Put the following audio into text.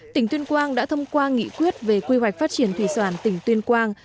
tỉnh tuyên quang đã thông qua nghị quyết về quy hoạch phát triển thủy sản tỉnh tuyên quang